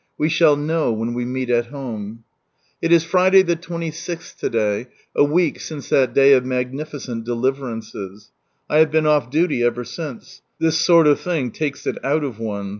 We shall know when we meet at Home. It is Friday, the 26th, to day, a week since that day of "Magnificent Deliver ances." I have been off duty ever since. This sort of thing takes it out of one.